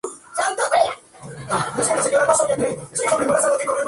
Por su dureza tiene mayor resistencia al impacto que el acero.